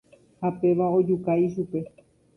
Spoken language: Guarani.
Ha péva ojuka ichupe.